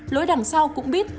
lối đằng sau cũng biết